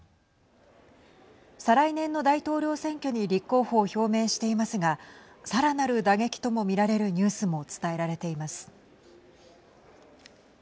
再来年の大統領選挙に立候補を表明していますがさらなる打撃とも見られるニュースも伝えられています。